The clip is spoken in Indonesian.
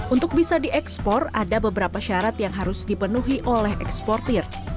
untuk bisa diekspor ada beberapa syarat yang harus dipenuhi oleh eksportir